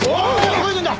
どこ行くんだ！